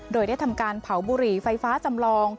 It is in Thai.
โดยได้ทำการเผาบุหรี่ไฟฟ้าจำลอง